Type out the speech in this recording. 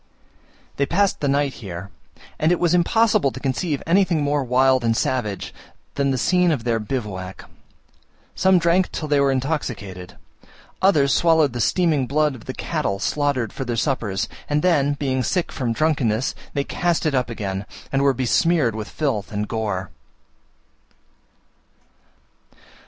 They passed the night here; and it was impossible to conceive anything more wild and savage than the scene of their bivouac. Some drank till they were intoxicated; others swallowed the steaming blood of the cattle slaughtered for their suppers, and then, being sick from drunkenness, they cast it up again, and were besmeared with filth and gore.